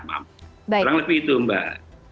sekarang lebih itu mbak